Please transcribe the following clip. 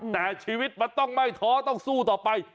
แต่ชีวิตมันต้องไม่ท้อต้องสู้ต่อไป